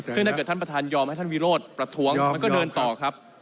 ซึ่งถ้าเกิดท่านประธานยอมให้ท่านวิโรธประท้วงมันก็เดินต่อครับ